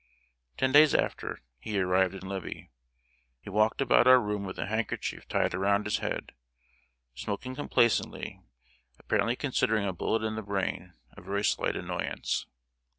Ten days after, he arrived in Libby. He walked about our room with a handkerchief tied around his head, smoking complacently, apparently considering a bullet in the brain a very slight annoyance.